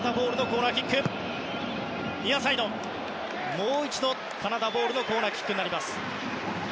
もう一度カナダボールのコーナーキック。